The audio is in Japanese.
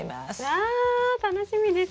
わ楽しみです。